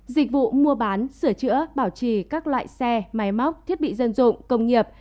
dịch vụ mua bán sửa chữa bảo trì các loại xe máy móc thiết bị dân dụng công nghiệp